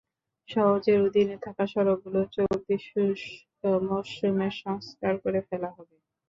সওজের অধীনে থাকা সড়কগুলো চলতি শুষ্ক মৌসুমের সংস্কার করে ফেলা হবে।